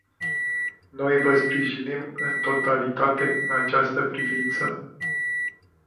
Noi vă sprijinim în totalitate în această privință.